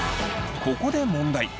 ここで問題。